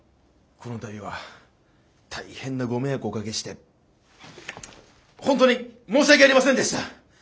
この度は大変なご迷惑をおかけして本当に申し訳ありませんでした！